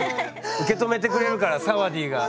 受け止めてくれるからサワディーが。